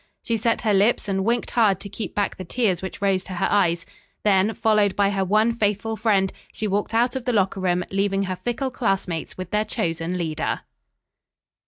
She set her lips and winked hard to keep back the tears which rose to her eyes. Then, followed by her one faithful friend, she walked out of the locker room, leaving her fickle classmates with their chosen leader.